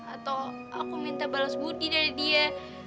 atau aku minta balas budi dari dia